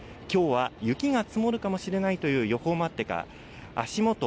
きょうは雪が積もるかもしれないという予報もあってか、足元、